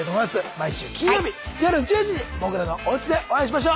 毎週金曜日夜１０時にモグラのおうちでお会いしましょう。